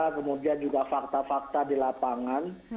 kemudian juga fakta fakta di lapangan